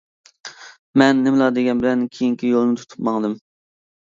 مەن نېمىلا دېگەن بىلەن كېيىنكى يولنى تۇتۇپ ماڭدىم.